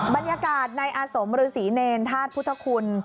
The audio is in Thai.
บรรยากาศในอสมรือศรีเนรทาสพุทธคุณ